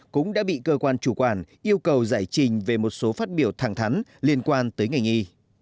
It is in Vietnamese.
cũng đã bị cơ quan chủ quản yêu cầu giải trình về một số phát biểu thẳng thắn liên quan tới ngành y